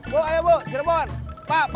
jangan lupa mencoba